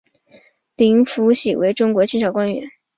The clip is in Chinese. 林福喜为中国清朝武官。